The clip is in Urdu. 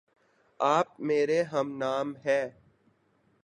آپ میرے ہم نام ہےـ